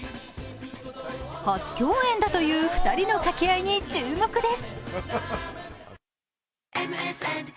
初共演だという２人の掛け合いに注目です。